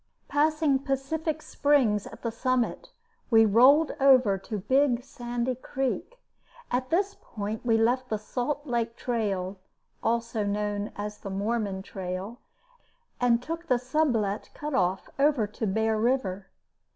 Passing Pacific Springs at the summit, we rolled over to Big Sandy Creek. At this point we left the Salt Lake Trail (known also as the Mormon Trail) and took the Sublette Cut off over to Bear River.